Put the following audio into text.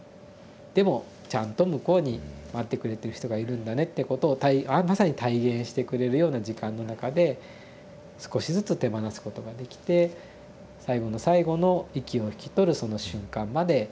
でもちゃんと向こうに待ってくれてる人がいるんだねってことをまさに体現してくれるような時間の中で少しずつ手放すことができて最期の最期の息を引き取るその瞬間まで家族で見守ることが。